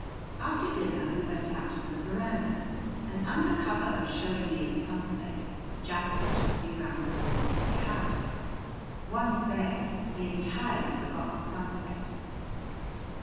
After dinner we went out on the veranda, and under cover of showing me a sunset Jasper took me round the corner of the house. Once there, he entirely forgot the sunset.